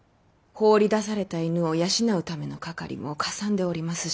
放り出された犬を養うためのかかりもかさんでおりますし。